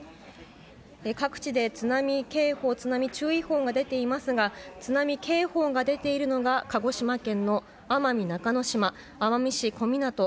各地で津波警報津波注意報が出ていますが津波警報が出ているのが鹿児島県の奄美中之島奄美市小湊